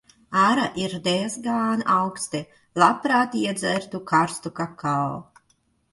Ārā ir diezgan auksti. Labprāt iedzertu karstu kakao.